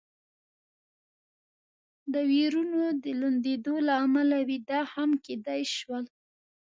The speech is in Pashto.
د وېرونو د لوندېدو له امله وي، دا هم کېدای شول.